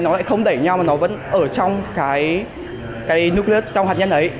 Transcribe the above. nó lại không đẩy nhau mà nó vẫn ở trong cái nuclear trong hạt nhân ấy